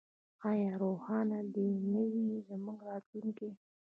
آیا روښانه دې نه وي زموږ راتلونکی؟